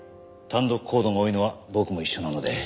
単独行動が多いのは僕も一緒なので。